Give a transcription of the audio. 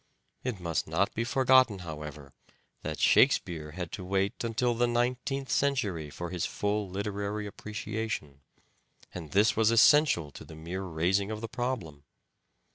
It must not be forgotten, however, that " Shakespeare " had to wait until the Nineteenth Century for his full literary appreciation ; and this was essential to the mere raising of the problem.